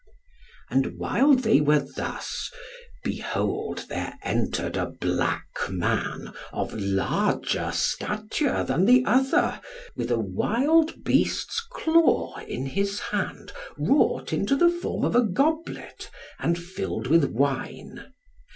And while they were thus, behold there entered a black man, of larger stature than the other, with a wild beast's claw in his hand, wrought into the form of a goblet, and filled with wine.